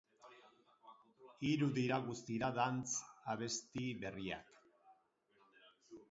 Hiru dira guztira dance abesti berriak.